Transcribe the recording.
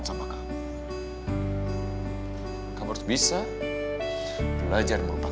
tak ada barang untuk berubah